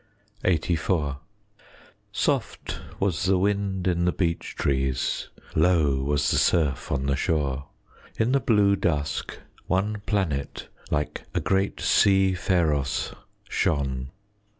LXXXIV Soft was the wind in the beech trees; Low was the surf on the shore; In the blue dusk one planet Like a great sea pharos shone.